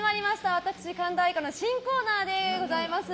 私、神田愛花の新コーナーです。